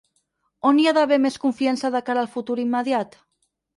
On hi ha d’haver més confiança de cara al futur immediat?